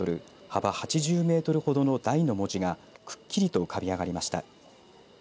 幅８０メートルほどの大の文字がくっきりと浮かび上がりました。